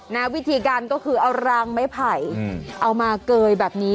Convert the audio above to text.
นะวิธีการก็คือเอารางไม้ไผ่เอามาเกยแบบนี้